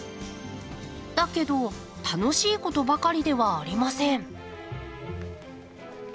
だけど楽しいことばかりではありません。